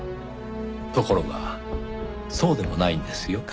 ところがそうでもないんですよ。